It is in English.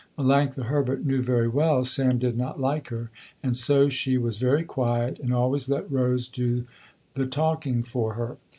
Melanctha Herbert knew very well Sam did not like her, and so she was very quiet, and always let Rose do the talking for her.